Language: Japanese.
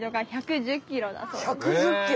１１０キロ？